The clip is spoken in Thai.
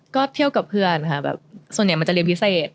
ก็เที่ยวกับเพื่อนค่ะแบบส่วนใหญ่มันจะเรียนพิเศษ